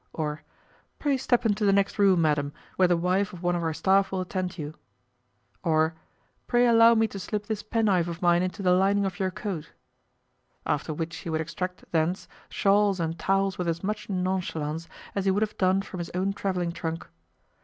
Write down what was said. or "Pray step into the next room, madam, where the wife of one of our staff will attend you," or "Pray allow me to slip this penknife of mine into the lining of your coat" (after which he would extract thence shawls and towels with as much nonchalance as he would have done from his own travelling trunk).